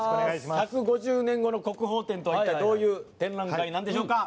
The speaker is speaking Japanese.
「１５０年後の国宝展」とは一体どういう展覧会なんでしょうか。